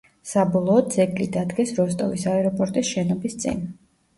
საბოლოოდ, ძეგლი დადგეს როსტოვის აეროპორტის შენობის წინ.